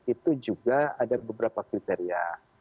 itu juga ada beberapa kriteria